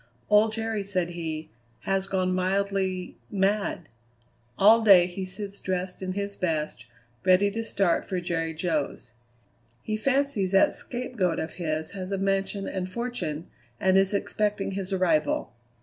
"Old Jerry," said he, "has gone mildly mad. All day he sits dressed in his best, ready to start for Jerry Jo's. He fancies that scapegoat of his has a mansion and fortune, and is expecting his arrival.